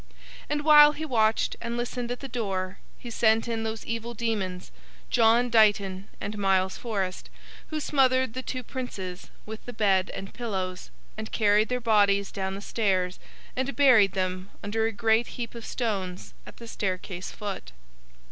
And while he watched and listened at the door, he sent in those evil demons, John Dighton and Miles Forest, who smothered the two princes with the bed and pillows, and carried their bodies down the stairs, and buried them under a great heap of stones at the staircase foot.